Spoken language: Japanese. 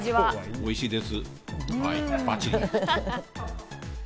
おいしいです。